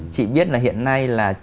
chị biết là hiện nay là